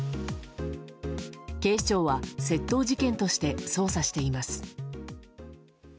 警視庁は窃盗事件として捜査しています。